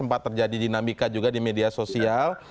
sempat terjadi dinamika juga di media sosial